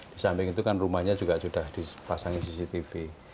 di samping itu kan rumahnya juga sudah dipasangi cctv